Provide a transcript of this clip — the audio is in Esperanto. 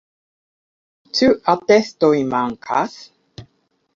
Ĉu atestoj mankas?